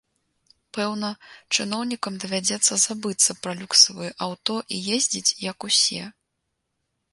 Пэўна, чыноўнікам давядзецца забыцца пра люксавыя аўто і ездзіць, як усе.